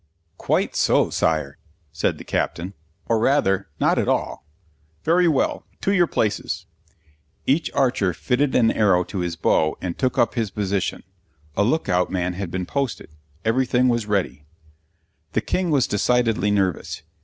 _" "Quite so, Sire," said the Captain, "or rather, not at all." "Very well. To your places." Each archer fitted an arrow to his bow and took up his position. A look out man had been posted. Everything was ready. The King was decidedly nervous.